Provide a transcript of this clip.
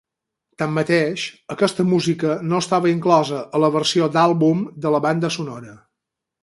Tanmateix, aquesta música no estava inclosa a la versió d'àlbum de la banda sonora.